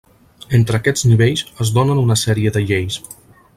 Entre aquests nivells es donen una sèrie de lleis.